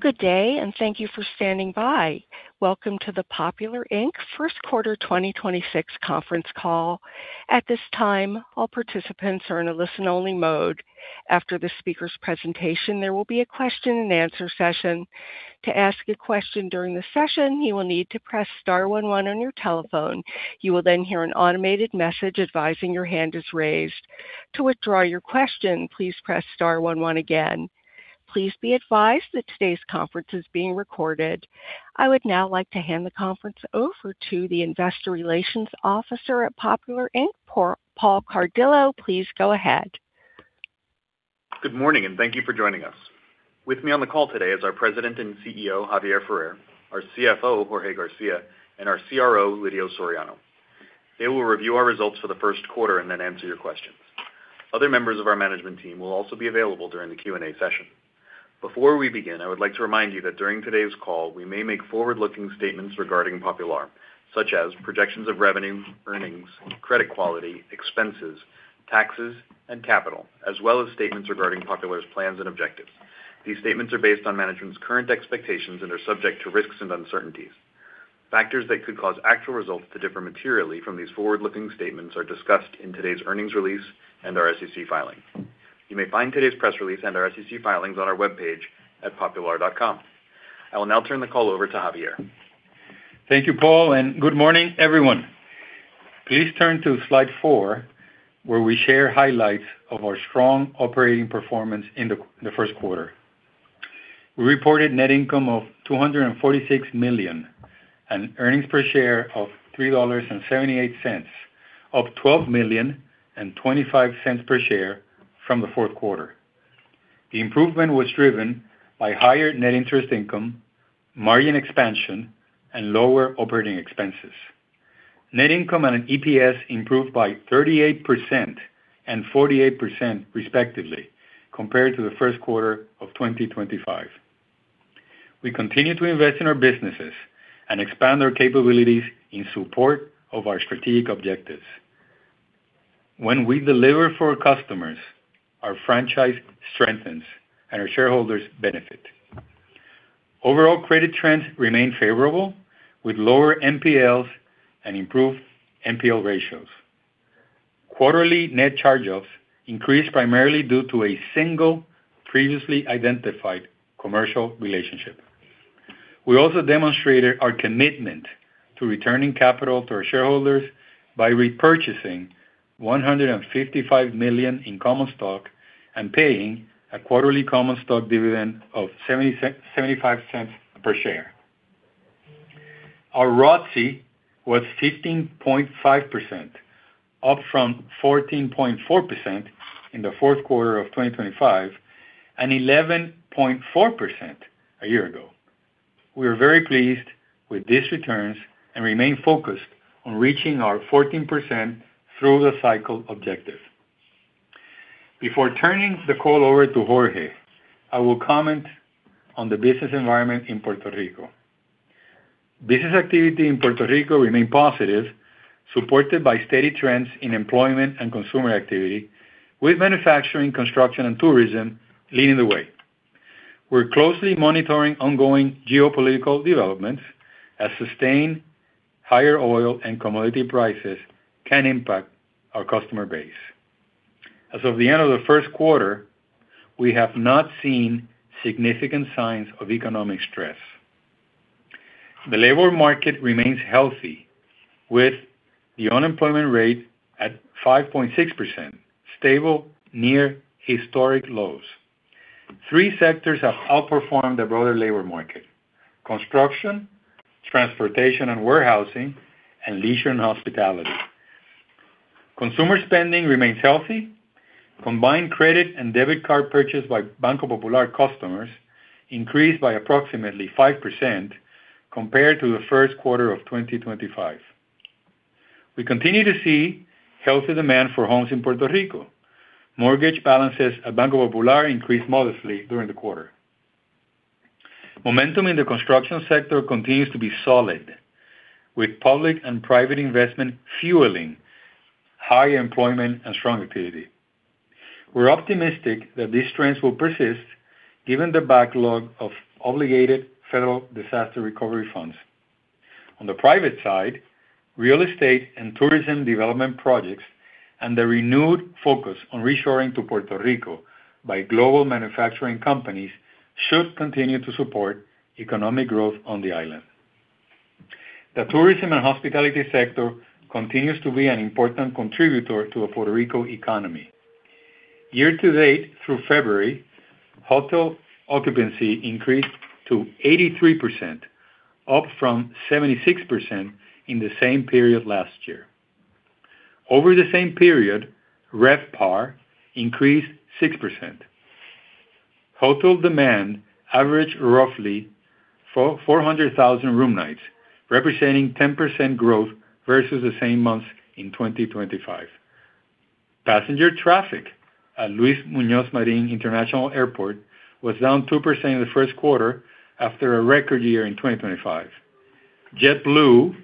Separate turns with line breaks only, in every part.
Good day, and thank you for standing by. Welcome to the Popular, Inc. first quarter 2026 conference call. At this time, all participants are in a listen-only mode. After the speaker's presentation, there will be a question and answer session. To ask a question during the session, you will need to press star one one on your telephone. You will then hear an automated message advising your hand is raised. To withdraw your question, please press star one one again. Please be advised that today's conference is being recorded. I would now like to hand the conference over to the investor relations officer at Popular, Inc., Paul J. Cardillo. Please go ahead.
Good morning, and thank you for joining us. With me on the call today is our President and CEO, Javier Ferrer, our CFO, Jorge García, and our CRO, Lidio Soriano. They will review our results for the first quarter and then answer your questions. Other members of our management team will also be available during the Q&A session. Before we begin, I would like to remind you that during today's call, we may make forward-looking statements regarding Popular, such as projections of revenue, earnings, credit quality, expenses, taxes, and capital, as well as statements regarding Popular's plans and objectives. These statements are based on management's current expectations and are subject to risks and uncertainties. Factors that could cause actual results to differ materially from these forward-looking statements are discussed in today's earnings release and our SEC filing. You may find today's press release and our SEC filings on our webpage at popular.com. I will now turn the call over to Javier.
Thank you, Paul, and good morning, everyone. Please turn to slide 4, where we share highlights of our strong operating performance in the first quarter. We reported net income of $246 million and earnings per share of $3.78, up $12 million and $0.25 per share from the fourth quarter. The improvement was driven by higher net interest income, margin expansion, and lower operating expenses. Net income and EPS improved by 38% and 48% respectively compared to the first quarter of 2025. We continue to invest in our businesses and expand our capabilities in support of our strategic objectives. When we deliver for our customers, our franchise strengthens and our shareholders benefit. Overall credit trends remain favorable, with lower NPLs and improved NPL ratios. Quarterly net charge-offs increased primarily due to a single previously identified commercial relationship. We also demonstrated our commitment to returning capital to our shareholders by repurchasing $155 million in common stock and paying a quarterly common stock dividend of $0.75 per share. Our ROTCE was 15.5%, up from 14.4% in the fourth quarter of 2025 and 11.4% a year ago. We are very pleased with these returns and remain focused on reaching our 14% through-the-cycle objective. Before turning the call over to Jorge, I will comment on the business environment in Puerto Rico. Business activity in Puerto Rico remained positive, supported by steady trends in employment and consumer activity, with manufacturing, construction, and tourism leading the way. We're closely monitoring ongoing geopolitical developments as sustained higher oil and commodity prices can impact our customer base. As of the end of the first quarter, we have not seen significant signs of economic stress. The labor market remains healthy, with the unemployment rate at 5.6%, stable near historic lows. Three sectors have outperformed the broader labor market. Construction, transportation and warehousing, and leisure and hospitality. Consumer spending remains healthy. Combined credit and debit card purchase by Banco Popular customers increased by approximately 5% compared to the first quarter of 2025. We continue to see healthy demand for homes in Puerto Rico. Mortgage balances at Banco Popular increased modestly during the quarter. Momentum in the construction sector continues to be solid, with public and private investment fueling high employment and strong activity. We're optimistic that these trends will persist given the backlog of obligated federal disaster recovery funds. On the private side, real estate and tourism development projects and the renewed focus on reshoring to Puerto Rico by global manufacturing companies should continue to support economic growth on the island. The tourism and hospitality sector continues to be an important contributor to the Puerto Rico economy. Year to date, through February, hotel occupancy increased to 83%, up from 76% in the same period last year. Over the same period, RevPAR increased 6%. Hotel demand averaged roughly 400,000 room nights, representing 10% growth versus the same months in 2025. Passenger traffic at Luis Muñoz Marín International Airport was down 2% in the first quarter after a record year in 2025. JetBlue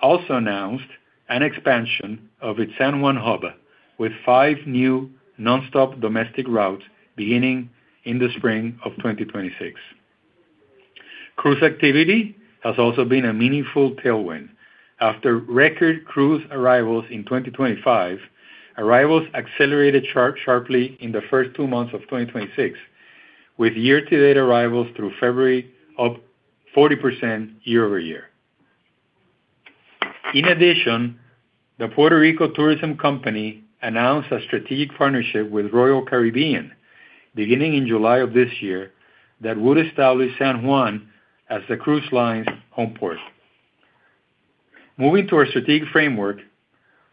also announced an expansion of its San Juan hub with five new nonstop domestic routes beginning in the spring of 2026. Cruise activity has also been a meaningful tailwind. After record cruise arrivals in 2025, arrivals accelerated sharply in the first two months of 2026, with year-to-date arrivals through February up 40% year-over-year. In addition, the Puerto Rico Tourism Company announced a strategic partnership with Royal Caribbean beginning in July of this year that would establish San Juan as the cruise line's home port. Moving to our strategic framework,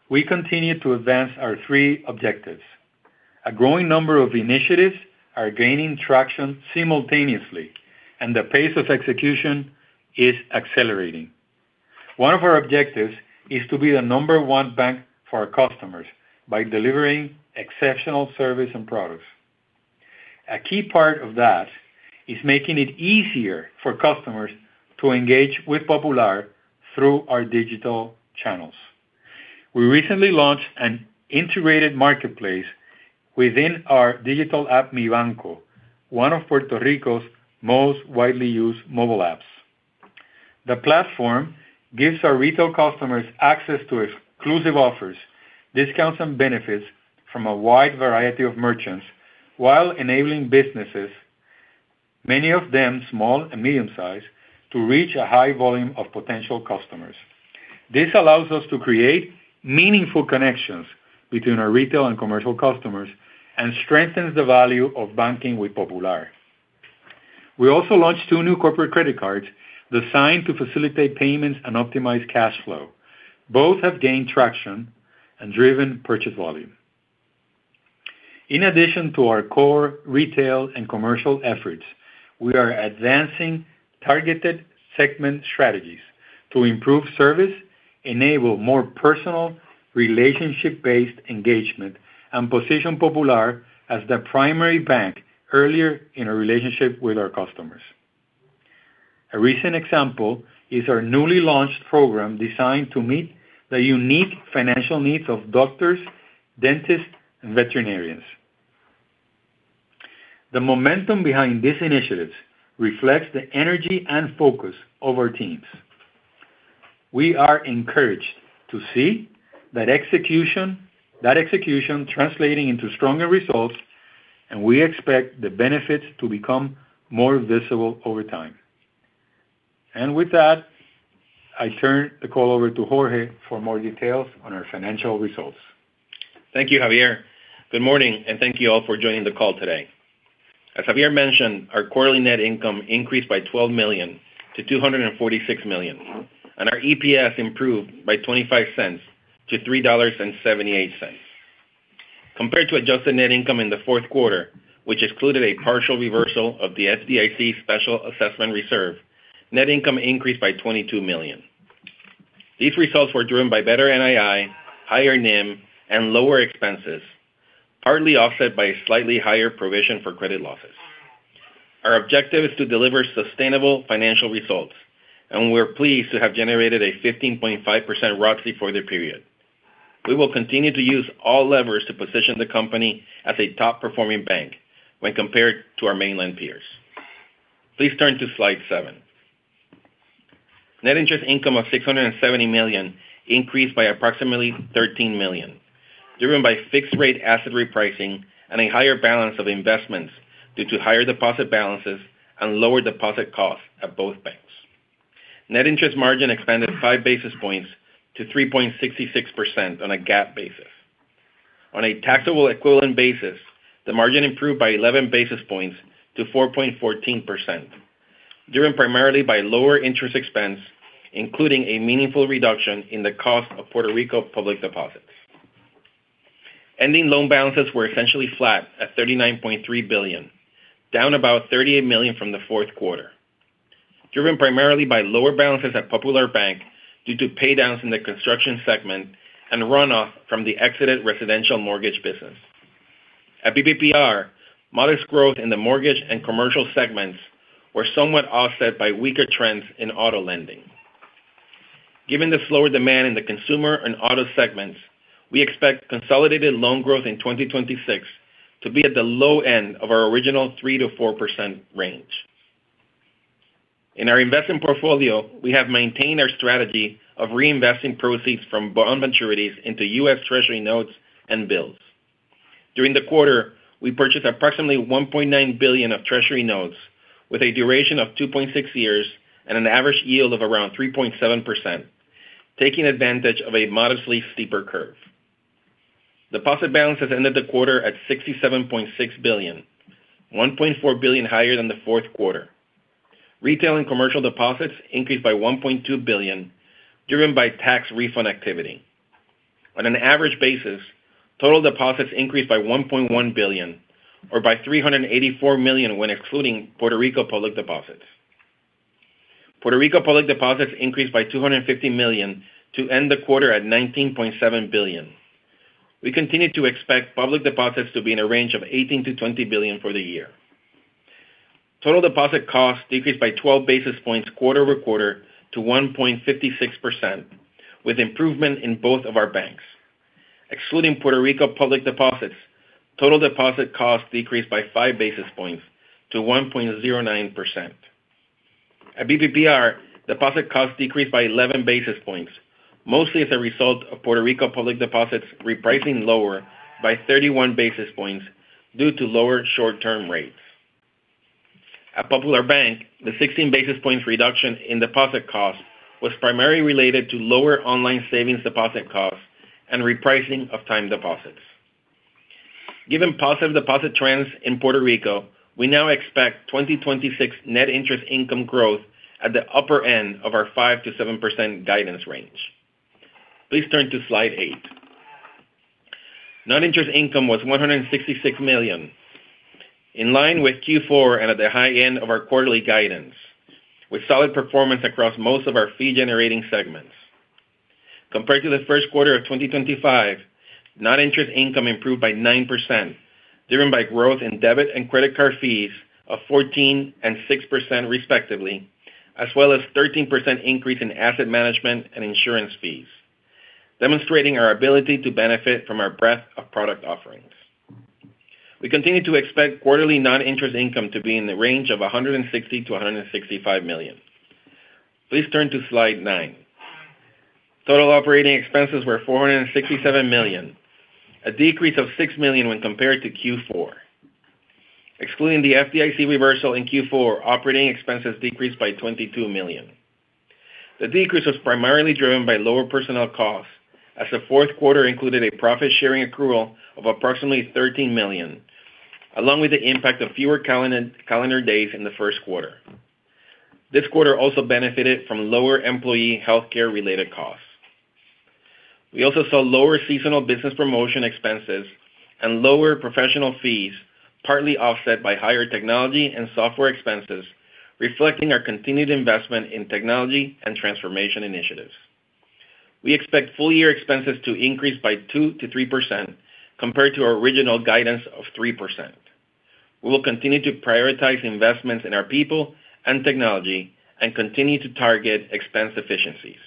we continue to advance our three objectives. A growing number of initiatives are gaining traction simultaneously, and the pace of execution is accelerating. One of our objectives is to be the number one bank for our customers by delivering exceptional service and products. A key part of that is making it easier for customers to engage with Popular through our digital channels. We recently launched an integrated marketplace within our digital app, Mi Banco, one of Puerto Rico's most widely used mobile apps. The platform gives our retail customers access to exclusive offers, discounts, and benefits from a wide variety of merchants, while enabling businesses, many of them small and medium-sized, to reach a high volume of potential customers. This allows us to create meaningful connections between our retail and commercial customers and strengthens the value of banking with Popular. We also launched two new corporate credit cards designed to facilitate payments and optimize cash flow. Both have gained traction and driven purchase volume. In addition to our core retail and commercial efforts, we are advancing targeted segment strategies to improve service, enable more personal, relationship-based engagement, and position Popular as the primary bank earlier in our relationship with our customers. A recent example is our newly launched program designed to meet the unique financial needs of doctors, dentists, and veterinarians. The momentum behind these initiatives reflects the energy and focus of our teams. We are encouraged to see that execution translating into stronger results, and we expect the benefits to become more visible over time. With that, I turn the call over to Jorge for more details on our financial results.
Thank you, Javier. Good morning, and thank you all for joining the call today. As Javier mentioned, our quarterly net income increased by $12 million to $246 million, and our EPS improved by $0.25 to $3.78. Compared to adjusted net income in the fourth quarter, which included a partial reversal of the FDIC special assessment reserve, net income increased by $22 million. These results were driven by better NII, higher NIM, and lower expenses, partly offset by a slightly higher provision for credit losses. Our objective is to deliver sustainable financial results, and we're pleased to have generated a 15.5% ROC for the period. We will continue to use all levers to position the company as a top-performing bank when compared to our mainland peers. Please turn to slide seven. Net interest income of $670 million increased by approximately $13 million, driven by fixed-rate asset repricing and a higher balance of investments due to higher deposit balances and lower deposit costs at both banks. Net interest margin expanded five basis points to 3.66% on a GAAP basis. On a taxable equivalent basis, the margin improved by 11 basis points to 4.14%, driven primarily by lower interest expense, including a meaningful reduction in the cost of Puerto Rico public deposits. Ending loan balances were essentially flat at $39.3 billion, down about $38 million from the fourth quarter, driven primarily by lower balances at Popular Bank due to paydowns in the construction segment and runoff from the exited residential mortgage business. At BPPR, modest growth in the mortgage and commercial segments were somewhat offset by weaker trends in auto lending. Given the slower demand in the consumer and auto segments, we expect consolidated loan growth in 2026 to be at the low end of our original 3%-4% range. In our investment portfolio, we have maintained our strategy of reinvesting proceeds from bond maturities into U.S. Treasury notes and bills. During the quarter, we purchased approximately $1.9 billion of Treasury notes with a duration of 2.6 years and an average yield of around 3.7%, taking advantage of a modestly steeper curve. Deposit balances ended the quarter at $67.6 billion, $1.4 billion higher than the fourth quarter. Retail and commercial deposits increased by $1.2 billion, driven by tax refund activity. On an average basis, total deposits increased by $1.1 billion, or by $384 million when excluding Puerto Rico public deposits. Puerto Rico public deposits increased by $250 million to end the quarter at $19.7 billion. We continue to expect public deposits to be in a range of $18-$20 billion for the year. Total deposit costs decreased by 12 basis points quarter-over-quarter to 1.56%, with improvement in both of our banks. Excluding Puerto Rico public deposits, total deposit costs decreased by 5 basis points to 1.09%. At BPPR, deposit costs decreased by 11 basis points, mostly as a result of Puerto Rico public deposits repricing lower by 31 basis points due to lower short-term rates. At Popular Bank, the 16 basis points reduction in deposit costs was primarily related to lower online savings deposit costs and repricing of time deposits. Given positive deposit trends in Puerto Rico, we now expect 2026 net interest income growth at the upper end of our 5%-7% guidance range. Please turn to slide 8. Non-interest income was $166 million, in line with Q4 and at the high end of our quarterly guidance, with solid performance across most of our fee-generating segments. Compared to the first quarter of 2025, non-interest income improved by 9%, driven by growth in debit and credit card fees of 14% and 6% respectively, as well as 13% increase in asset management and insurance fees, demonstrating our ability to benefit from our breadth of product offerings. We continue to expect quarterly non-interest income to be in the range of $160 million-$165 million. Please turn to slide 9. Total operating expenses were $467 million, a decrease of $6 million when compared to Q4. Excluding the FDIC reversal in Q4, operating expenses decreased by $22 million. The decrease was primarily driven by lower personnel costs, as the fourth quarter included a profit-sharing accrual of approximately $13 million, along with the impact of fewer calendar days in the first quarter. This quarter also benefited from lower employee healthcare related costs. We also saw lower seasonal business promotion expenses and lower professional fees, partly offset by higher technology and software expenses, reflecting our continued investment in technology and transformation initiatives. We expect full-year expenses to increase by 2%-3% compared to our original guidance of 3%. We will continue to prioritize investments in our people and technology and continue to target expense efficiencies.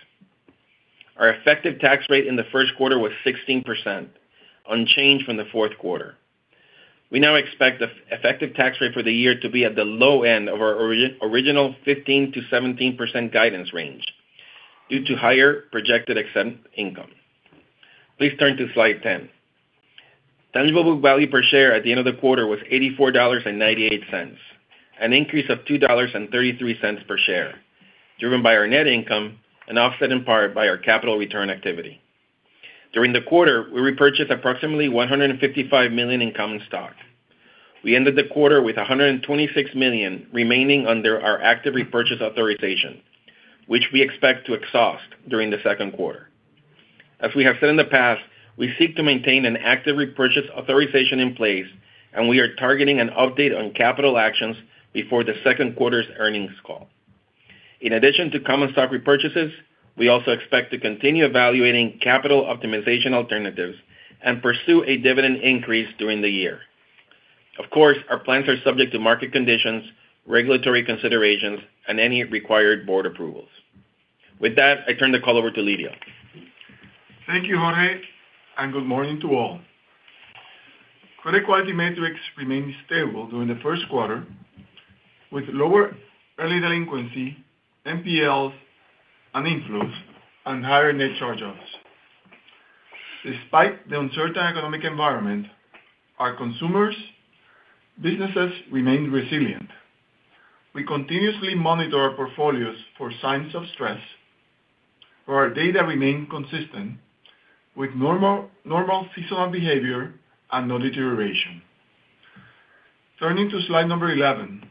Our effective tax rate in the first quarter was 16%, unchanged from the fourth quarter. We now expect the effective tax rate for the year to be at the low end of our original 15%-17% guidance range due to higher projected exempt income. Please turn to slide 10. Tangible book value per share at the end of the quarter was $84.98, an increase of $2.33 per share, driven by our net income and offset in part by our capital return activity. During the quarter, we repurchased approximately $155 million in common stock. We ended the quarter with $126 million remaining under our active repurchase authorization, which we expect to exhaust during the second quarter. As we have said in the past, we seek to maintain an active repurchase authorization in place, and we are targeting an update on capital actions before the second quarter's earnings call. In addition to common stock repurchases, we also expect to continue evaluating capital optimization alternatives and pursue a dividend increase during the year. Of course, our plans are subject to market conditions, regulatory considerations, and any required board approvals. With that, I turn the call over to Lidio.
Thank you, Jorge, and good morning to all. Credit quality metrics remained stable during the first quarter with lower early delinquency, NPLs and inflows, and higher net charge-offs. Despite the uncertain economic environment, our consumers, businesses remained resilient. We continuously monitor our portfolios for signs of stress, where our data remain consistent with normal seasonal behavior and no deterioration. Turning to slide number 11.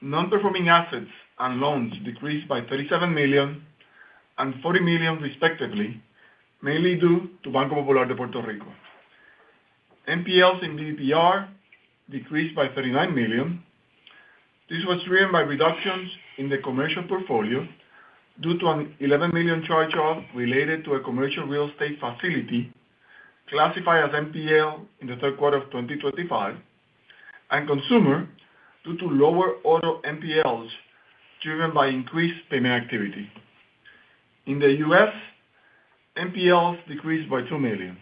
Non-performing assets and loans decreased by $37 million and $40 million respectively, mainly due to Banco Popular de Puerto Rico. NPLs in BPPR decreased by $39 million. This was driven by reductions in the commercial portfolio due to an $11 million charge-off related to a commercial real estate facility classified as NPL in the third quarter of 2025, and consumer due to lower auto NPLs driven by increased payment activity. In the U.S., NPLs decreased by $2 million.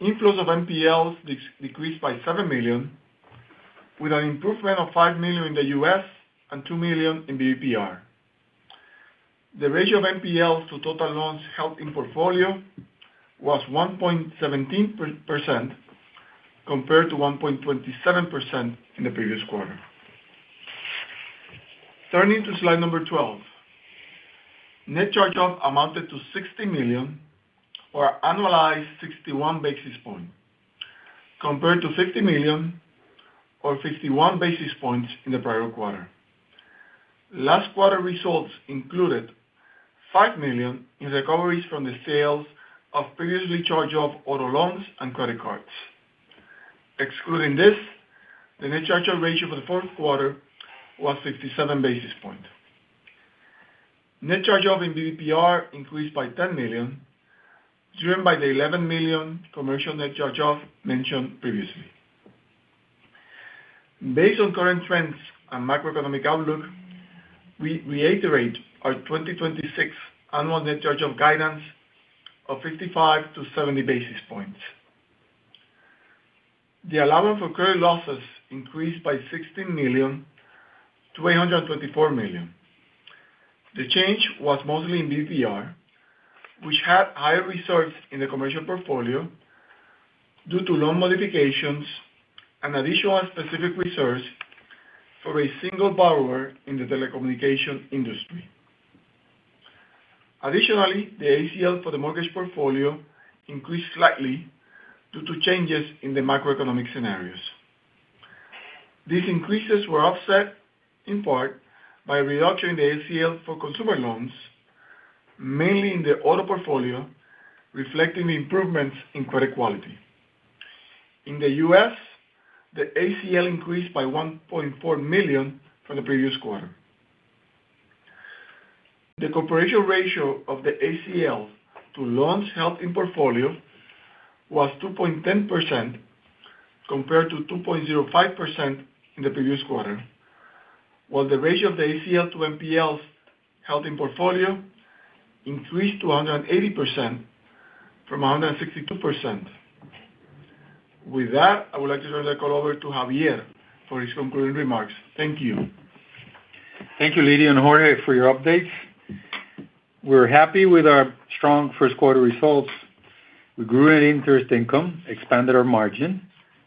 Inflows of NPLs decreased by $7 million, with an improvement of $5 million in the U.S. and $2 million in BPPR. The ratio of NPLs to total loans held in portfolio was 1.17% compared to 1.27% in the previous quarter. Turning to slide number 12. Net charge-off amounted to $60 million or annualized 61 basis points, compared to $50 million or 51 basis points in the prior quarter. Last quarter results included $5 million in recoveries from the sales of previously charged-off auto loans and credit cards. Excluding this, the net charge-off ratio for the fourth quarter was 57 basis points. Net charge-off in BPPR increased by $10 million, driven by the $11 million commercial net charge-off mentioned previously. Based on current trends and macroeconomic outlook, we reiterate our 2026 annual net charge-off guidance of 55-70 basis points. The allowance for credit losses increased by $16 million to $824 million. The change was mostly in DPR, which had higher reserves in the commercial portfolio due to loan modifications and additional specific reserves for a single borrower in the telecommunication industry. Additionally, the ACL for the mortgage portfolio increased slightly due to changes in the macroeconomic scenarios. These increases were offset in part by a reduction in the ACL for consumer loans, mainly in the auto portfolio, reflecting the improvements in credit quality. In the U.S., the ACL increased by $1.4 million from the previous quarter. The coverage ratio of the ACL to loans held in portfolio was 2.10%, compared to 2.05% in the previous quarter, while the ratio of the ACL to NPLs held in portfolio increased to 180% from 162%. With that, I would like to turn the call over to Javier for his concluding remarks. Thank you.
Thank you, Lidio and Jorge, for your updates. We're happy with our strong first quarter results. We grew our interest income, expanded our margin,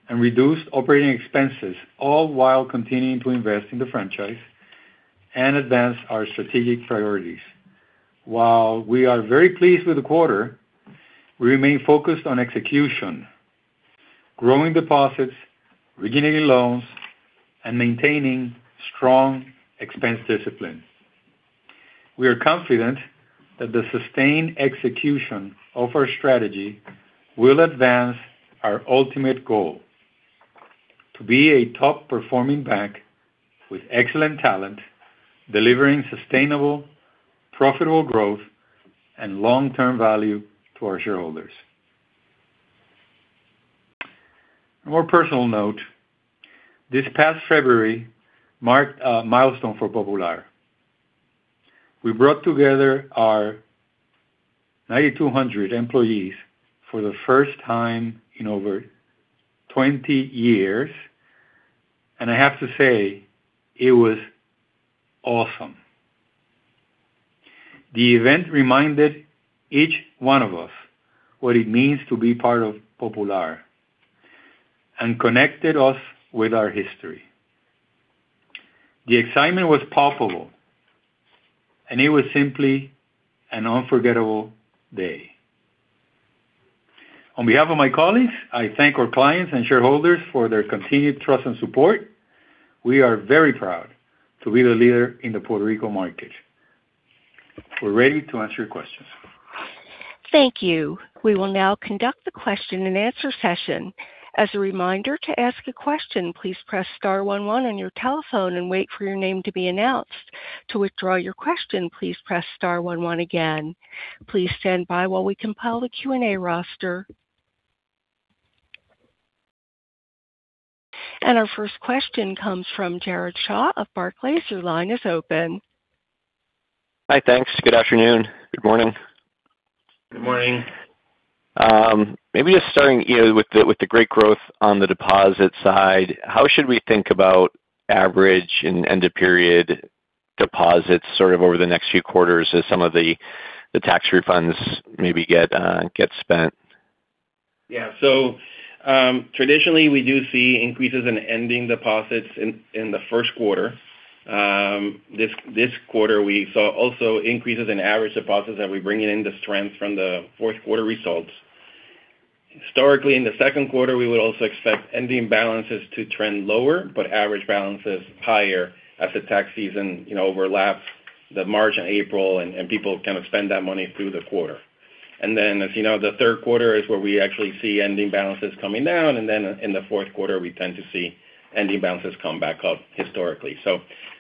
and reduced operating expenses, all while continuing to invest in the franchise and advance our strategic priorities. While we are very pleased with the quarter, we remain focused on execution, growing deposits, originating loans, and maintaining strong expense discipline. We are confident that the sustained execution of our strategy will advance our ultimate goal, to be a top-performing bank with excellent talent, delivering sustainable, profitable growth, and long-term value to our shareholders. On a more personal note, this past February marked a milestone for Popular. We brought together our 9,200 employees for the first time in over 20 years, and I have to say it was awesome. The event reminded each one of us what it means to be part of Popular and connected us with our history. The excitement was palpable, and it was simply an unforgettable day. On behalf of my colleagues, I thank our clients and shareholders for their continued trust and support. We are very proud to be the leader in the Puerto Rico market. We're ready to answer your questions.
Thank you. We will now conduct the question and answer session. As a reminder, to ask a question, please press star one one on your telephone and wait for your name to be announced. To withdraw your question, please press star one one again. Please stand by while we compile the Q&A roster. Our first question comes from Jared Shaw of Barclays. Your line is open.
Hi, thanks. Good afternoon. Good morning.
Good morning.
Maybe just starting with the great growth on the deposit side, how should we think about average and end-of-period deposits over the next few quarters as some of the tax refunds maybe get spent?
Yeah. Traditionally, we do see increases in ending deposits in the first quarter. This quarter, we also saw increases in average deposits that we're bringing in the strength from the fourth quarter results. Historically, in the second quarter, we would also expect ending balances to trend lower, but average balances higher as the tax season overlaps March and April, and people kind of spend that money through the quarter. As you know, the third quarter is where we actually see ending balances coming down, and then in the fourth quarter, we tend to see ending balances come back up historically.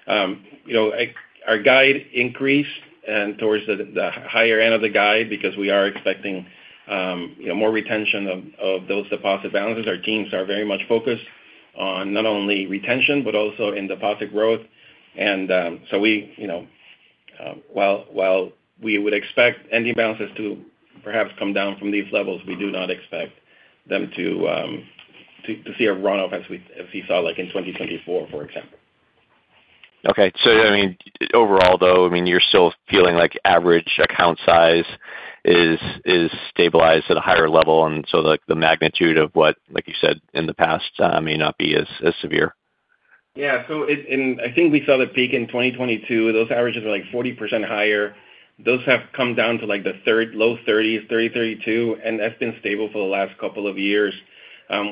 Our guidance increased towards the higher end of the guidance because we are expecting more retention of those deposit balances. Our teams are very much focused on not only retention but also on deposit growth. While we would expect ending balances to perhaps come down from these levels, we do not expect them to see a runoff as we saw in 2024, for example.
Okay. Overall, though, you're still feeling like average account size is stabilized at a higher level, and so the magnitude of what, like you said, in the past may not be as severe?
Yeah. I think we saw the peak in 2022. Those averages are 40% higher. Those have come down to the low 30s, 30, 32, and that's been stable for the last couple of years.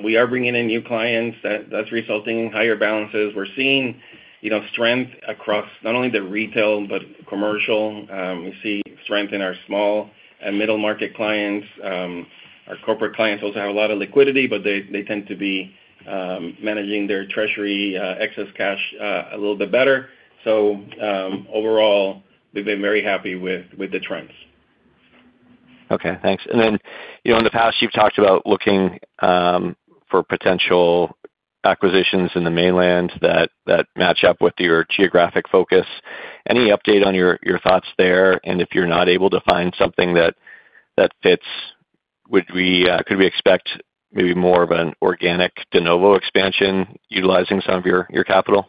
We are bringing in new clients. That's resulting in higher balances. We're seeing strength across not only the retail but commercial. We see strength in our small and middle-market clients. Our corporate clients also have a lot of liquidity, but they tend to be managing their treasury excess cash a little bit better. Overall, we've been very happy with the trends.
Okay, thanks. In the past you've talked about looking for potential acquisitions in the mainland that match up with your geographic focus. Any update on your thoughts there? If you're not able to find something that fits, could we expect maybe more of an organic de novo expansion utilizing some of your capital?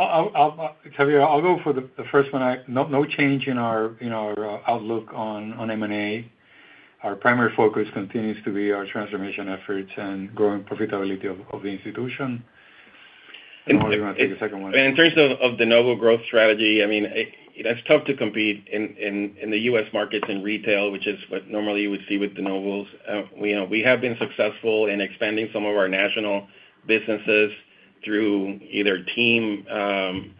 Javier, I'll go for the first one. No change in our outlook on M&A. Our primary focus continues to be our transformation efforts and growing profitability of the institution. Jorge, you want to take the second one?
In terms of de novo growth strategy, it's tough to compete in the U.S. markets in retail, which is what normally you would see with de novos. We have been successful in expanding some of our national businesses through either team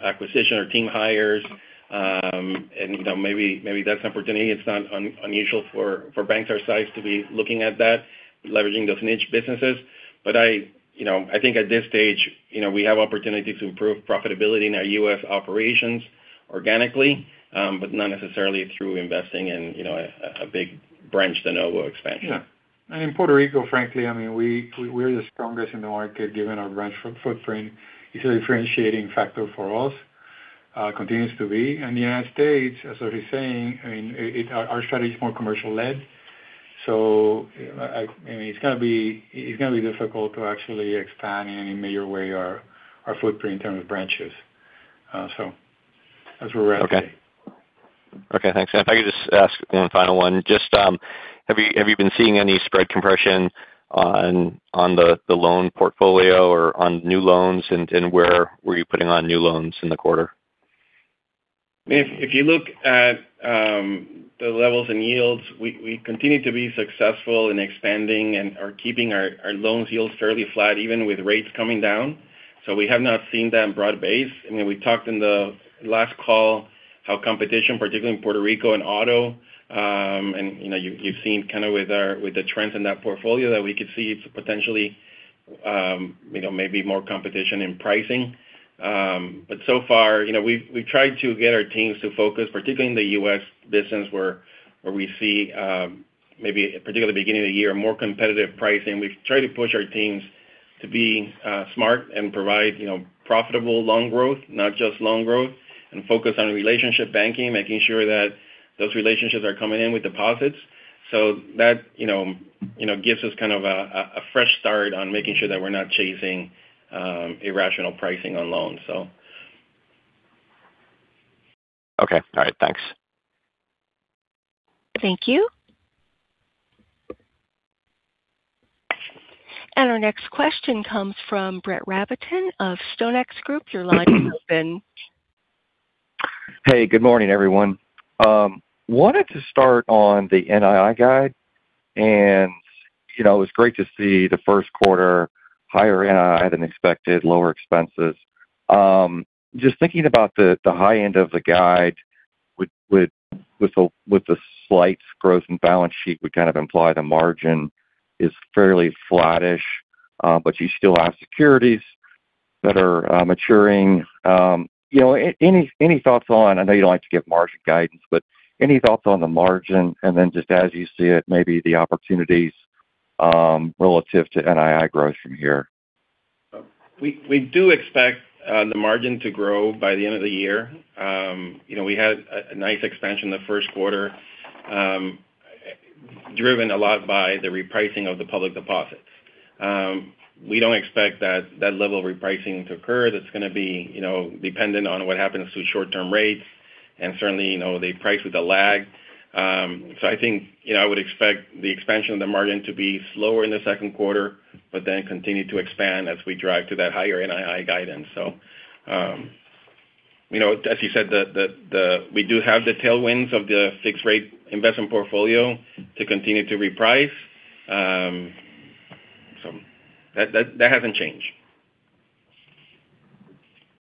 acquisition or team hires. Maybe that's an opportunity. It's not unusual for banks our size to be looking at that, leveraging those niche businesses. I think at this stage, we have opportunity to improve profitability in our U.S. operations organically, but not necessarily through investing in a big branch de novo expansion.
Yeah. In Puerto Rico, frankly, we're the strongest in the market, given our branch footprint. It's a differentiating factor for us, continues to be. In the United States, as Jorge is saying, our strategy is more commercially led. It's going to be difficult to actually expand in any major way our footprint in terms of branches. That's where we're at today.
Okay. Thanks. If I could just ask one final one, just have you been seeing any spread compression on the loan portfolio or on new loans? Where were you putting on new loans in the quarter?
If you look at the levels in yields, we continue to be successful in expanding and are keeping our loan yields fairly flat, even with rates coming down. We have not seen that broad base. We talked in the last call how competition, particularly in Puerto Rico and auto, and you've seen kind of with the trends in that portfolio that we could see potentially maybe more competition in pricing. So far we've tried to get our teams to focus, particularly in the U.S. business, where we see maybe particularly beginning of the year, more competitive pricing. We've tried to push our teams to be smart and provide profitable loan growth, not just loan growth, and focus on relationship banking, making sure that those relationships are coming in with deposits. that gives us kind of a fresh start on making sure that we're not chasing irrational pricing on loans.
Okay. All right. Thanks.
Thank you. Our next question comes from Brett Rabatin of StoneX Group. Your line is open.
Hey, good morning, everyone. I wanted to start on the NII guide, and it was great to see the first quarter higher than expected, lower expenses. I'm just thinking about the high end of the guide with the slight growth in balance sheet would kind of imply the margin is fairly flattish, but you still have securities that are maturing. Any thoughts on it? I know you don't like to give margin guidance, but any thoughts on the margin? Then just as you see it, maybe the opportunities relative to NII growth from here.
We do expect the margin to grow by the end of the year. We had a nice expansion in the first quarter, driven a lot by the repricing of the public deposits. We don't expect that level of repricing to occur. That's going to be dependent on what happens to short-term rates, and certainly, they price with a lag. I think I would expect the expansion of the margin to be slower in the second quarter, but then continue to expand as we drive to that higher NII guidance. As you said, we do have the tailwinds of the fixed rate investment portfolio to continue to reprice. That hasn't changed.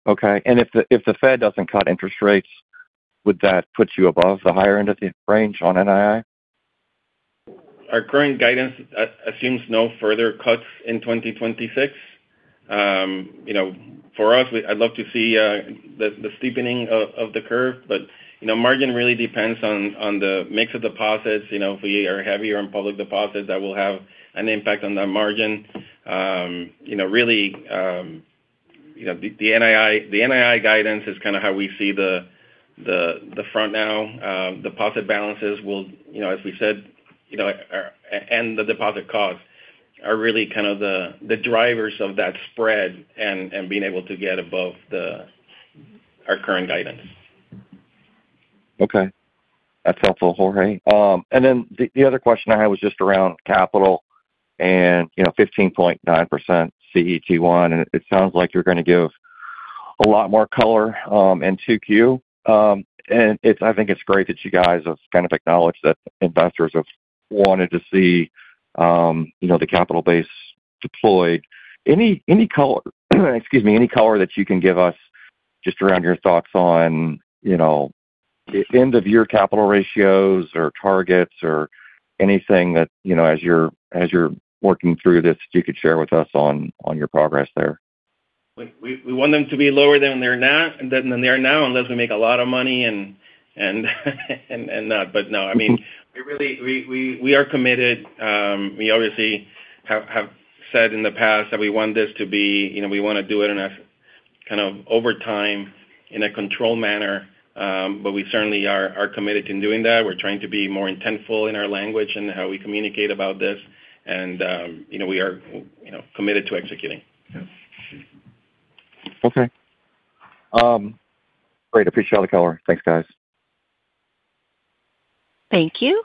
Okay. If the Fed doesn't cut interest rates, would that put you above the higher end of the range on NII?
Our current guidance assumes no further cuts in 2026. For us, I'd love to see the steepening of the curve, but margin really depends on the mix of deposits. If we are heavier on public deposits, that will have an impact on the margin. Really, the NII guidance is kind of how we see the front end now. Deposit balances will, as we said, and the deposit costs are really kind of the drivers of that spread and being able to get above our current guidance.
Okay. That's helpful, Jorge. Then the other question I had was just around capital and 15.9% CET1, and it sounds like you're going to give a lot more color in 2Q. I think it's great that you guys have kind of acknowledged that investors have wanted to see the capital base deployed. Any color that you can give us. Just around your thoughts on end of year capital ratios or targets or anything that, as you're working through this, that you could share with us on your progress there.
We want them to be lower than they are now, unless we make a lot of money and not. No, we are committed. We obviously have said in the past that we want to do it over time in a controlled manner. We certainly are committed to doing that. We're trying to be more intentional in our language and how we communicate about this. We are committed to executing.
Yes. Okay. Great. Appreciate the color. Thanks, guys.
Thank you.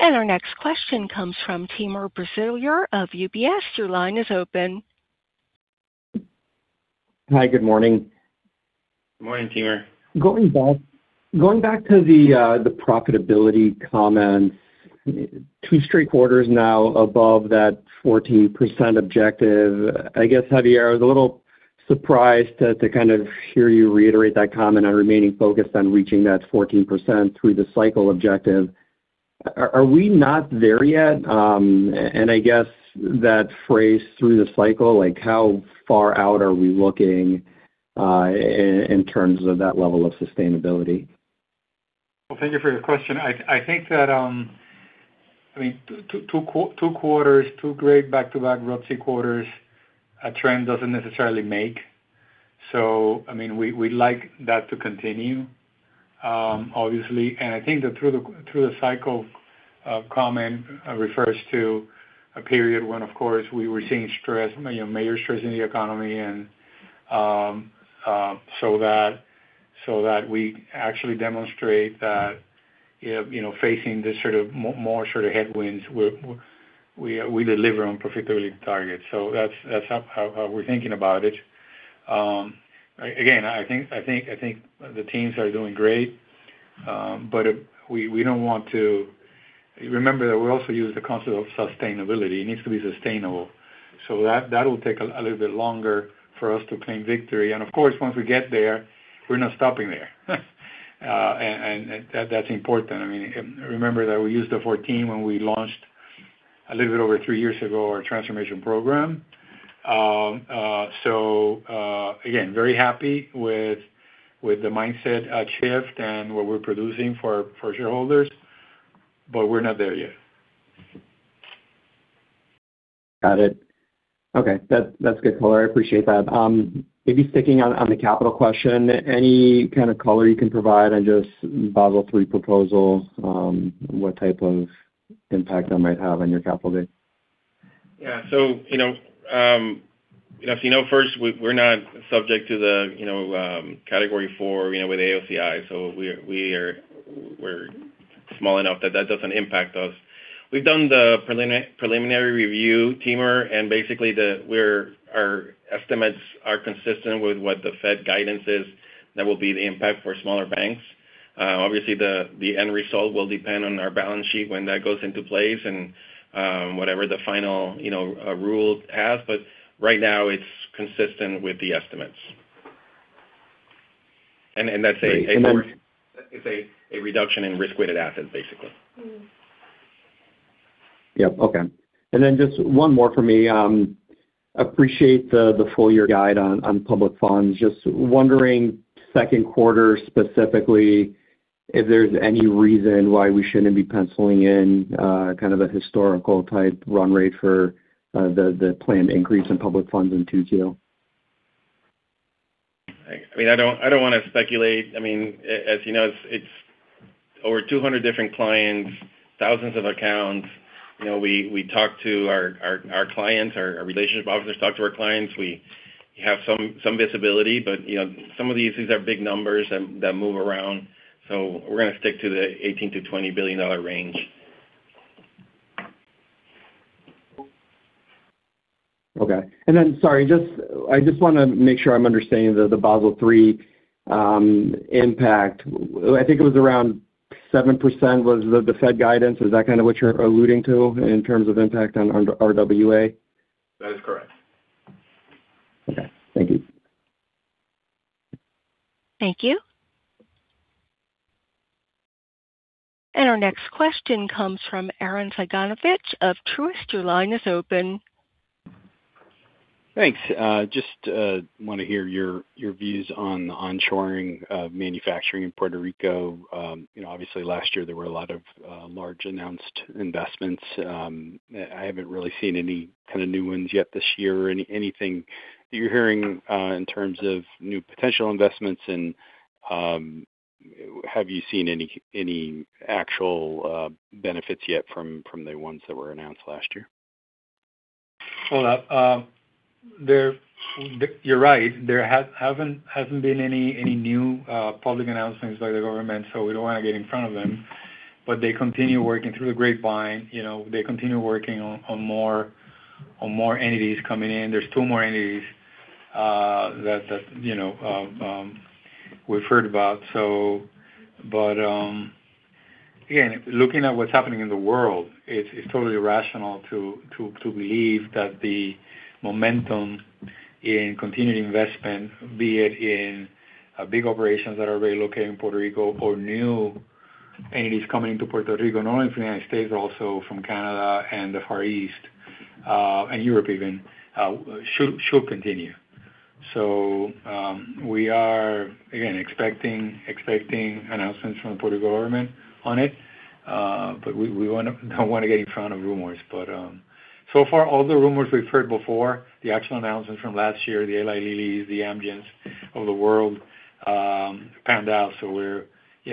Our next question comes from Timur Braziler of UBS. Your line is open.
Hi. Good morning.
Good morning, Timur.
Going back to the profitability comments. Two straight quarters now above that 14% objective. I guess, Javier, I was a little surprised to hear you reiterate that comment on remaining focused on reaching that 14% through the cycle objective. Are we not there yet? I guess that phrase through the cycle, how far out are we looking in terms of that level of sustainability?
Well, thank you for your question. I think that two great back-to-back ROIC quarters, a trend doesn't necessarily make. We'd like that to continue, obviously. I think that through-the-cycle comment refers to a period when, of course, we were seeing major stress in the economy. That we actually demonstrate that facing these more sort of headwinds, we deliver on profitability targets. That's how we're thinking about it. Again, I think the teams are doing great. Remember that we also use the concept of sustainability. It needs to be sustainable. That will take a little bit longer for us to claim victory. Of course, once we get there, we're not stopping there. That's important. Remember that we used the 14 when we launched a little bit over three years ago, our transformation program. Again, very happy with the mindset shift and what we're producing for shareholders. We're not there yet.
Got it. Okay. That's good color. I appreciate that. Maybe sticking on the capital question, any kind of color you can provide on just Basel III proposals, what type of impact that might have on your capital base?
Yeah. First, we're not subject to the category four with AOCI, so we're small enough that that doesn't impact us. We've done the preliminary review, Timur, and basically our estimates are consistent with what the Fed guidance is. That will be the impact for smaller banks. Obviously, the end result will depend on our balance sheet when that goes into place and whatever the final rule has. Right now it's consistent with the estimates. That's a-
Great.
It's a reduction in risk-weighted assets, basically.
Yep. Okay. Just one more for me. Appreciate the full year guide on public funds. Just wondering, second quarter specifically, if there's any reason why we shouldn't be penciling in a historical type run rate for the planned increase in public funds in 2020?
I don't want to speculate. As you know, it's over 200 different clients, thousands of accounts. We talk to our clients, our relationship officers talk to our clients. We have some visibility. But some of these are big numbers that move around. We're going to stick to the $18 billion-$20 billion range.
Okay. Sorry, I just want to make sure I'm understanding the Basel III impact. I think it was around 7% was the Fed guidance. Is that kind of what you're alluding to in terms of impact on RWA?
That is correct.
Okay. Thank you.
Thank you. Our next question comes from Arren Cyganovich of Truist. Your line is open.
Thanks. Just want to hear your views on the on-shoring of manufacturing in Puerto Rico. Obviously last year there were a lot of large announced investments. I haven't really seen any kind of new ones yet this year or anything that you're hearing in terms of new potential investments. Have you seen any actual benefits yet from the ones that were announced last year?
Hold up. You're right. There hasn't been any new public announcements by the government, so we don't want to get in front of them. They continue working through the grapevine. They continue working on more entities coming in. There's two more entities that we've heard about. But Looking at what's happening in the world, it's totally rational to believe that the momentum in continued investment, be it in big operations that are relocating Puerto Rico or new entities coming to Puerto Rico, not only from the United States, also from Canada and the Far East, and Europe even, should continue. We are, again, expecting announcements from the Puerto government on it. We don't want to get in front of rumors. So far, all the rumors we've heard before, the actual announcements from last year, the Eli Lilly, the Amgens of the world, panned out. We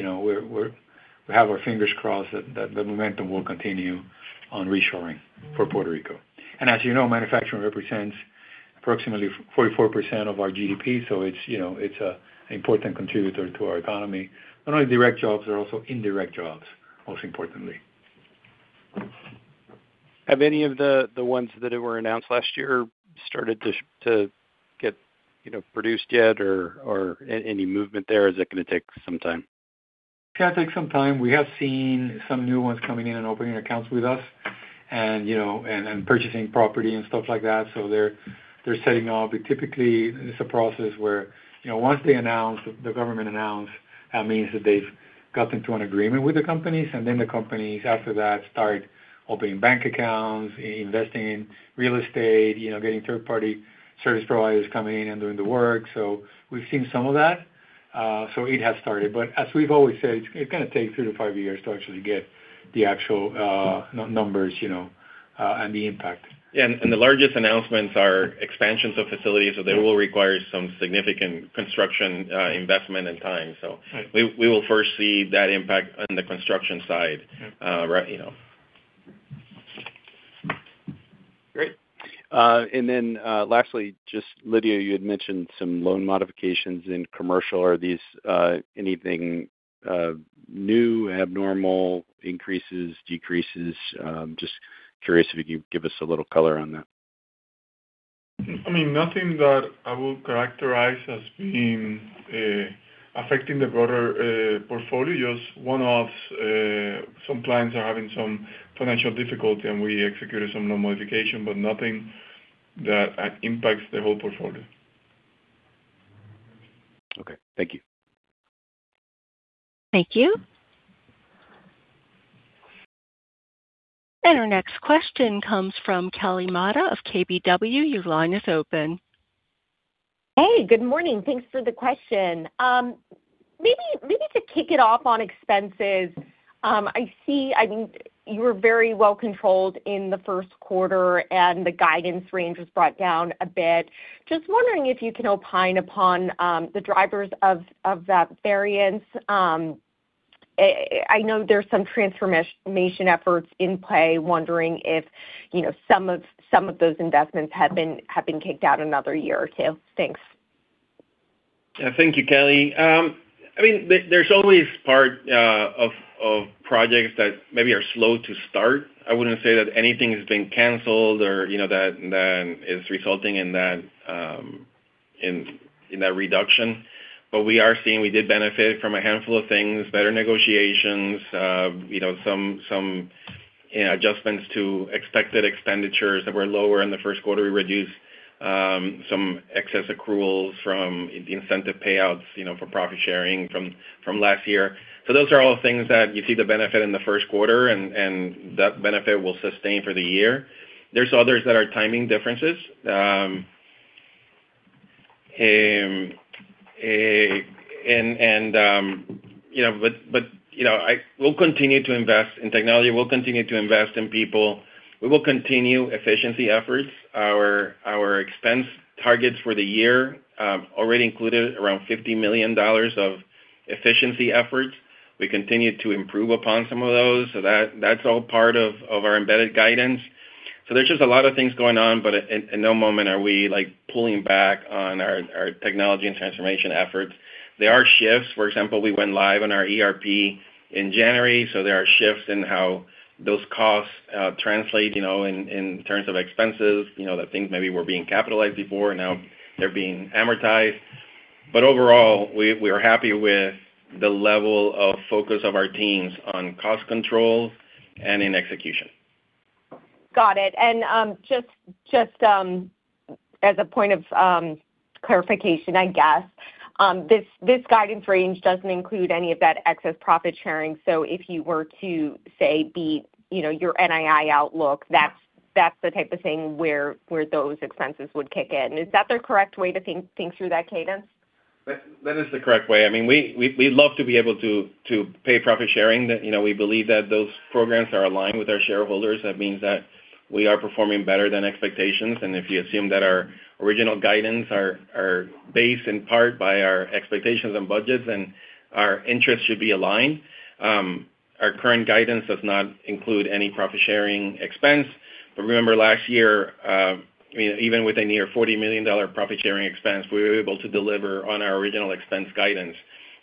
have our fingers crossed that the momentum will continue on reshoring for Puerto Rico. As you know, manufacturing represents approximately 44% of our GDP, so it's an important contributor to our economy. Not only direct jobs, but also indirect jobs, most importantly.
Have any of the ones that were announced last year started to get produced yet or any movement there, or is it going to take some time?
It's going to take some time. We have seen some new ones coming in and opening accounts with us and purchasing property and stuff like that. They're setting up. Typically, it's a process where once the government announce, that means that they've gotten to an agreement with the companies, and then the companies after that start opening bank accounts, investing in real estate, getting third-party service providers coming in and doing the work. We've seen some of that. It has started. As we've always said, it's going to take three to five years to actually get the actual numbers, and the impact. The largest announcements are expansions of facilities. They will require some significant construction investment and time. We will first see that impact on the construction side.
Great. Lastly, just Lidio, you had mentioned some loan modifications in commercial. Are these anything new, abnormal, increases, decreases? Just curious if you could give us a little color on that.
I mean, nothing that I would characterize as being affecting the broader portfolio, just one-offs. Some clients are having some financial difficulty, and we executed some loan modification, but nothing that impacts the whole portfolio.
Okay. Thank you.
Thank you. Our next question comes from Kelly Motta of KBW. Your line is open.
Hey, good morning. Thanks for the question. Maybe to kick it off on expenses. I see you were very well controlled in the first quarter and the guidance range was brought down a bit. Just wondering if you can opine upon the drivers of that variance. I know there's some transformation efforts in play. Wondering if some of those investments have been kicked out another year or two. Thanks.
Yeah, thank you, Kelly. There's always part of projects that maybe are slow to start. I wouldn't say that anything has been canceled or that is resulting in that reduction. We are seeing, we did benefit from a handful of things, better negotiations, some adjustments to expected expenditures that were lower in the first quarter. We reduced some excess accruals from incentive payouts for profit-sharing from last year. Those are all things that you see the benefit in the first quarter, and that benefit will sustain for the year. There's others that are timing differences. We'll continue to invest in technology, we'll continue to invest in people. We will continue efficiency efforts. Our expense targets for the year already included around $50 million of efficiency efforts. We continue to improve upon some of those. That's all part of our embedded guidance. There's just a lot of things going on, but at no moment are we pulling back on our technology and transformation efforts. There are shifts. For example, we went live on our ERP in January, so there are shifts in how those costs translate in terms of expenses, that things maybe were being capitalized before and now they're being amortized. Overall, we are happy with the level of focus of our teams on cost control and in execution.
Got it. Just as a point of clarification, I guess, this guidance range doesn't include any of that excess profit-sharing. If you were to say your NII outlook, that's the type of thing where those expenses would kick in. Is that the correct way to think through that cadence?
That is the correct way. We'd love to be able to pay profit-sharing. We believe that those programs are aligned with our shareholders. That means that we are performing better than expectations. If you assume that our original guidance are based in part by our expectations and budgets, then our interests should be aligned. Our current guidance does not include any profit-sharing expense. Remember last year, even with a near $40 million profit-sharing expense, we were able to deliver on our original expense guidance.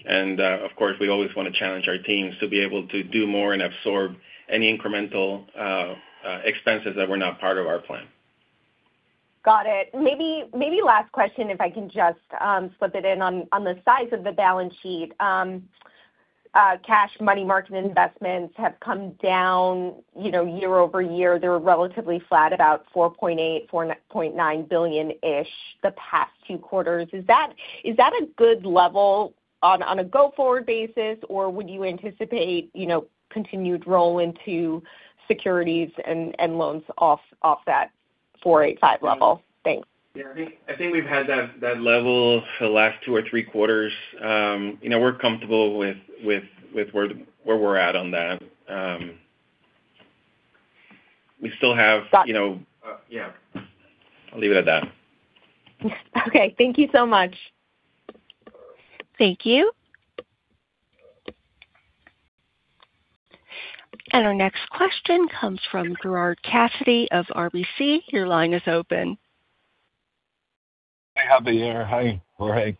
Of course, we always want to challenge our teams to be able to do more and absorb any incremental expenses that were not part of our plan.
Got it. Maybe last question, if I can just slip it in on the size of the balance sheet. Cash and money market investments have come down year-over-year. They're relatively flat, about $4.8-$4.9 billion-ish the past two quarters. Is that a good level on a go-forward basis? Or would you anticipate continued roll into securities and loans off that 4.85 level? Thanks.
Yeah. I think we've had that level for the last two or three quarters. We're comfortable with where we're at on that. We still have
Got it.
Yeah. I'll leave it at that.
Okay, thank you so much.
Thank you. Our next question comes from Gerard Cassidy of RBC. Your line is open.
Hi, how are you? Hi, Jorge.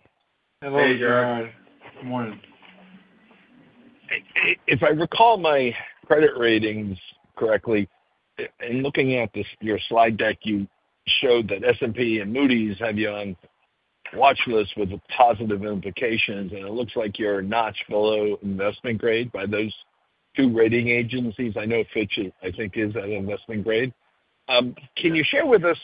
Hello, Gerard. Good morning.
If I recall my credit ratings correctly, in looking at your slide deck, you showed that S&P and Moody's have you on watchlist with a positive implications, and it looks like you're a notch below investment grade by those two rating agencies. I know Fitch, I think, is at investment grade. Can you share with us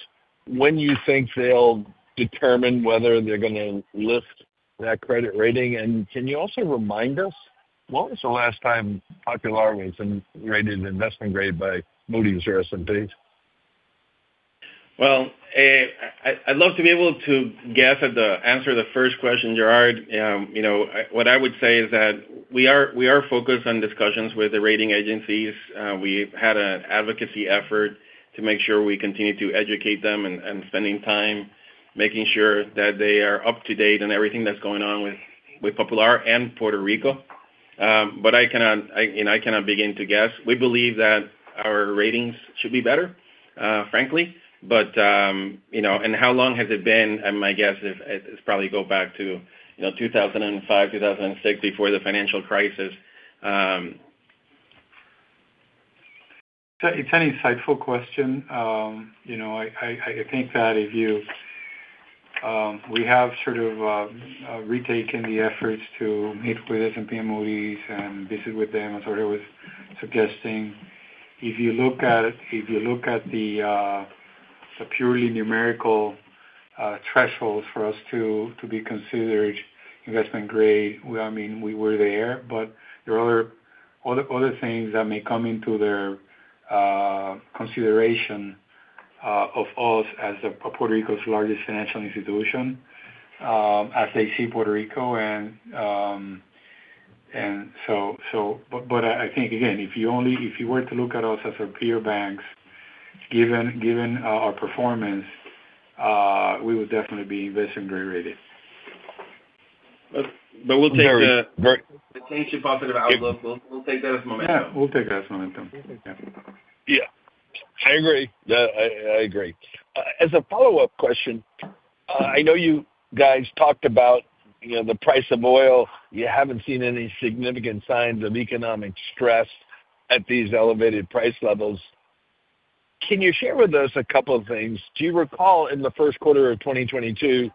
when you think they'll determine whether they're going to lift that credit rating? Can you also remind us, when was the last time Popular was rated investment grade by Moody's or S&P?
Well, I'd love to be able to guess at the answer to the first question, Gerard. What I would say is that we are focused on discussions with the rating agencies. We've had an advocacy effort to make sure we continue to educate them and spending time making sure that they are up to date on everything that's going on with Popular and Puerto Rico. I cannot begin to guess. We believe that our ratings should be better, frankly. How long has it been? My guess is probably go back to 2005, 2006, before the financial crisis.
It's an insightful question. I think that We have sort of retaken the efforts to meet with S&P and Moody's and visit with them, as Jorge was suggesting. If you look at the purely numerical thresholds for us to be considered investment grade, we were there, but there are other things that may come into their consideration of us as Puerto Rico's largest financial institution as they see Puerto Rico. I think, again, if you were to look at us as our peer banks, given our performance, we would definitely be investment grade rated.
But we'll take the-
Very-
The change to positive outlook, we'll take that as momentum.
Yeah, we'll take that as momentum.
Yeah. I agree. As a follow-up question, I know you guys talked about the price of oil. You haven't seen any significant signs of economic stress at these elevated price levels. Can you share with us a couple of things? Do you recall in the first quarter of 2022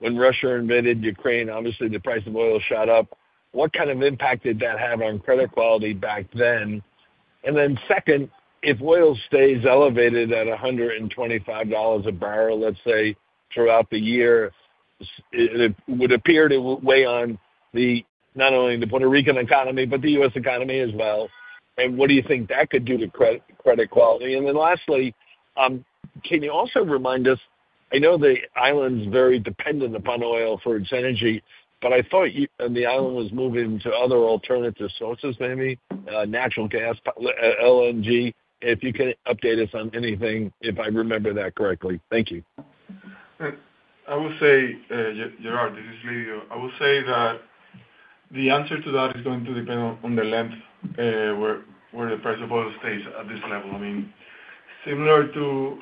when Russia invaded Ukraine, obviously the price of oil shot up? What kind of impact did that have on credit quality back then? Then second, if oil stays elevated at $125 a barrel, let's say, throughout the year, it would appear to weigh on not only the Puerto Rican economy, but the U.S. economy as well. What do you think that could do to credit quality? Lastly, can you also remind us? I know the island's very dependent upon oil for its energy, but I thought the island was moving to other alternative sources, maybe natural gas, LNG. If you can update us on anything, if I remember that correctly. Thank you.
I would say, Gerard, this is Lee. I would say that the answer to that is going to depend on the length where the price of oil stays at this level. Similar to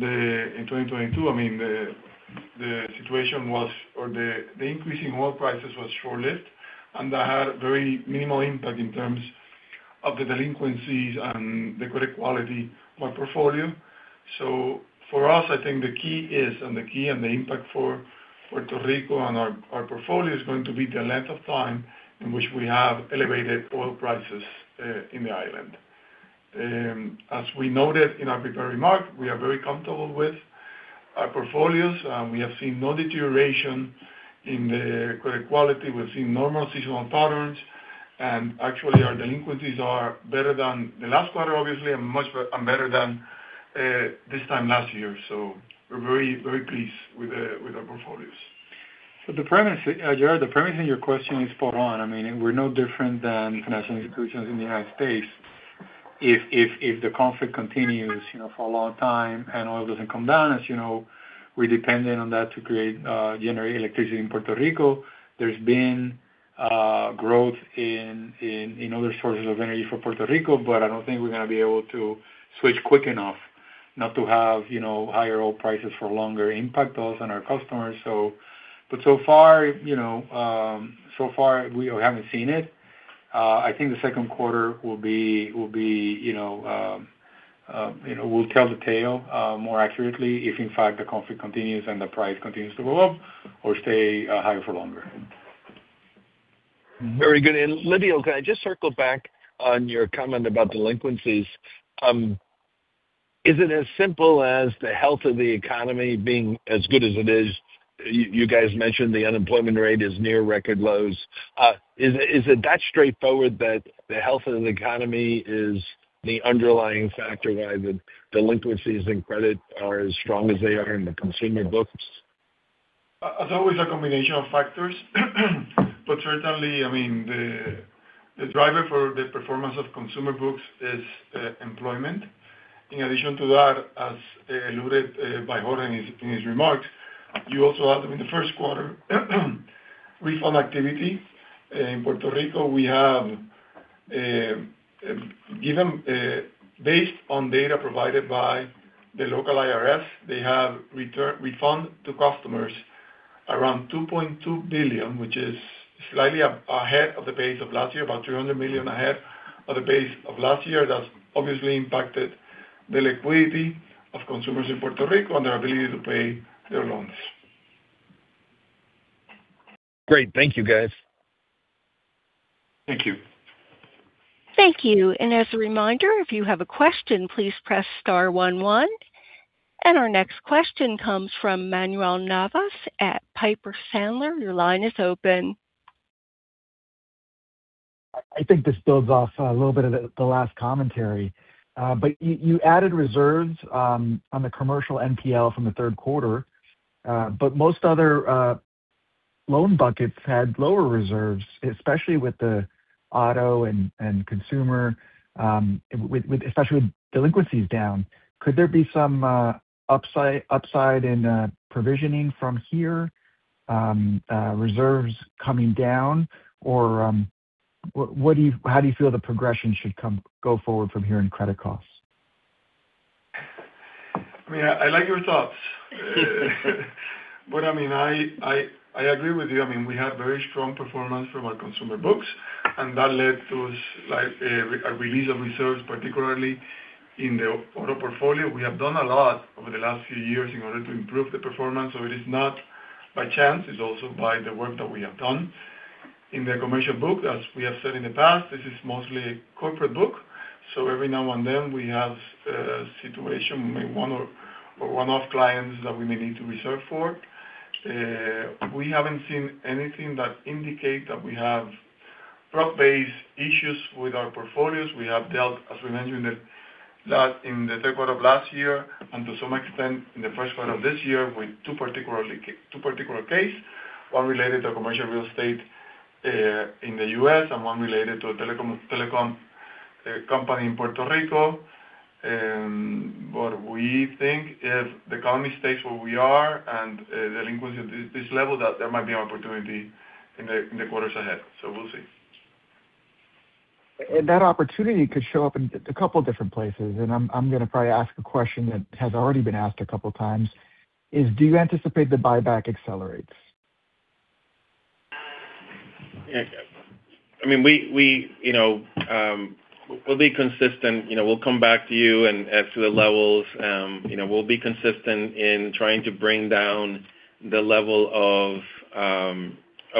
2022, the increase in oil prices was short-lived, and that had very minimal impact in terms of the delinquencies and the credit quality of our portfolio. For us, I think the key and the impact for Puerto Rico on our portfolio is going to be the length of time in which we have elevated oil prices in the island. As we noted in our prepared remarks, we are very comfortable with our portfolios. We have seen no deterioration in the credit quality. We've seen normal seasonal patterns. Actually, our delinquencies are better than the last quarter, obviously, and much better than this time last year. We're very pleased with our portfolios.
The premise, Gerard, in your question is spot on. We're no different than financial institutions in the United States. If the conflict continues for a long time and oil doesn't come down, as you know, we're dependent on that to generate electricity in Puerto Rico. There's been growth in other sources of energy for Puerto Rico, but I don't think we're going to be able to switch quick enough not to have higher oil prices for longer impact us and our customers. So far we haven't seen it.
I think the second quarter will tell the tale more accurately if, in fact, the conflict continues and the price continues to go up or stay higher for longer.
Very good. Lidio, can I just circle back on your comment about delinquencies? Is it as simple as the health of the economy being as good as it is? You guys mentioned the unemployment rate is near record lows. Is it that straightforward that the health of the economy is the underlying factor why the delinquencies in credit are as strong as they are in the consumer books?
As always, a combination of factors. Certainly, the driver for the performance of consumer books is employment. In addition to that, as alluded by Jorge in his remarks, you also have them in the first quarter refund activity. In Puerto Rico, based on data provided by the local IRS, they have refunded to customers around $2.2 billion, which is slightly ahead of the pace of last year, about $300 million ahead of the pace of last year. That's obviously impacted the liquidity of consumers in Puerto Rico and their ability to pay their loans.
Great. Thank you, guys.
Thank you.
Thank you. As a reminder, if you have a question, please press star one one. Our next question comes from Manuel Navas at Piper Sandler. Your line is open.
I think this builds off a little bit of the last commentary. You added reserves on the commercial NPL from the third quarter. Most other loan buckets had lower reserves, especially with the auto and consumer, especially with delinquencies down. Could there be some upside in provisioning from here, reserves coming down? Or how do you feel the progression should go forward from here in credit costs?
I like your thoughts. I agree with you. We have very strong performance from our consumer books, and that led to a release of reserves, particularly in the auto portfolio. We have done a lot over the last few years in order to improve the performance. It is not by chance, it's also by the work that we have done. In the commercial book, as we have said in the past, this is mostly corporate book. Every now and then, we have a situation with one of our clients that we may need to reserve for. We haven't seen anything that indicate that we have broad-based issues with our portfolios. We have dealt, as we mentioned in the third quarter of last year, and to some extent in the first quarter of this year, with two particular case, one related to commercial real estate in the U.S. and one related to a telecom company in Puerto Rico. We think if the economy stays where we are and the delinquency at this level, that there might be an opportunity in the quarters ahead. We'll see.
That opportunity could show up in a couple different places, and I'm going to probably ask a question that has already been asked a couple times is, do you anticipate the buyback accelerates?
We'll be consistent. We'll come back to you and as to the levels. We'll be consistent in trying to bring down the level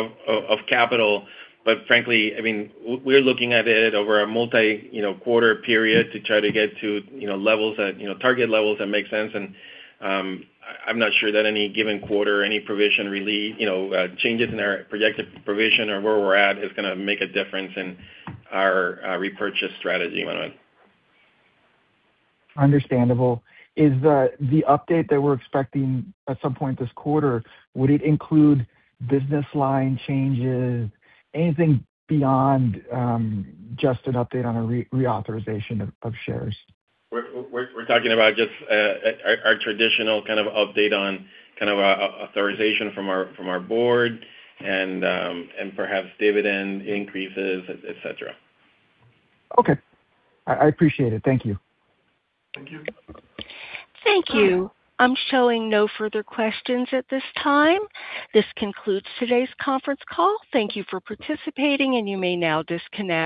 of capital. Frankly, we're looking at it over a multi-quarter period to try to get to target levels that make sense, and I'm not sure that any given quarter, any provision relief, changes in our projected provision or where we're at is going to make a difference in our repurchase strategy, Manuel.
Understandable. Is the update that we're expecting at some point this quarter, would it include business line changes, anything beyond just an update on a reauthorization of shares?
We're talking about just our traditional kind of update on kind of authorization from our board and perhaps dividend increases, etcetera.
Okay. I appreciate it. Thank you.
Thank you.
Thank you. I'm showing no further questions at this time. This concludes today's conference call. Thank you for participating, and you may now disconnect.